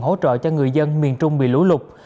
hỗ trợ cho người dân miền trung bị lũ lụt